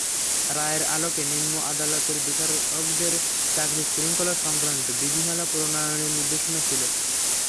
রায়ের আলোকে নিম্ন আদালতের বিচারকদের চাকরির শৃঙ্খলা-সংক্রান্ত বিধিমালা প্রণয়নের নির্দেশনা ছিল।